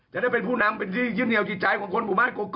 จะได้เป็นผู้นำเป็นที่ยึดเหนียวจิตใจของคนหมู่บ้านกก